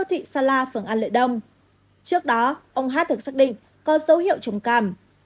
trước đó ông hát được xác định có dấu hiệu trồng càm